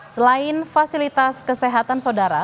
selain fasilitas kesehatan saudara